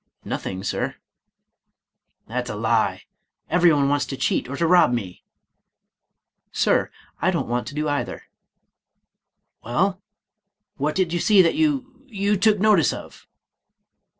" Nothing, Sir." " That's a lie ; everyone wants to cheat or to rob me." " Sir, I don't want to do either." " Well, what did you see that you— you took notice of?"